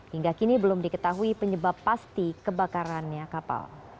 hingga kini belum diketahui penyebab pasti kebakarannya kapal